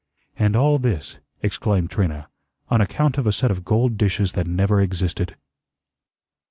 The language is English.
"And all this," exclaimed Trina, "on account of a set of gold dishes that never existed."